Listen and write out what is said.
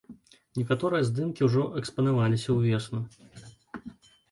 Некаторыя здымкі ўжо экспанаваліся ўвесну.